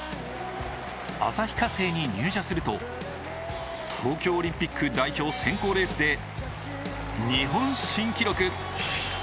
旭化成に入社すると、東京オリンピック代表選考レースで日本新記録。